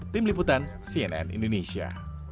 tim liputan cnn indonesia